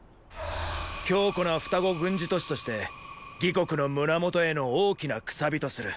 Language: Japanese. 強固な双子軍事都市として魏国の胸元への大きな楔とする。